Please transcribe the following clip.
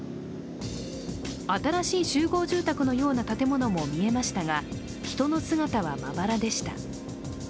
新しい集合住宅のような建物も見えましたが人の姿はまばらでした。